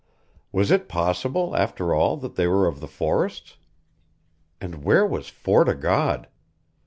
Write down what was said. Was it possible, after all, that they were of the forests? And where was Fort o' God?